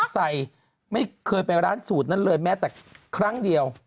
ไม่เคยไปร้านสูตรนั้นเลยแม้แต่ครั้งเดียว